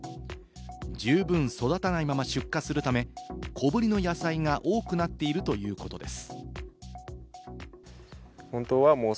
十分育たないまま出荷するため、小ぶりの野菜が多くなっているということです。